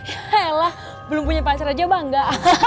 yalah belum punya pacar aja bangga